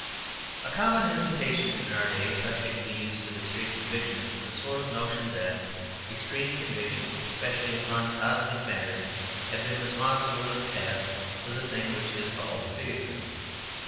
A common hesitation in our day touching the use of extreme convictions is a sort of notion that extreme convictions specially upon cosmic matters, have been responsible in the past for the thing which is called bigotry.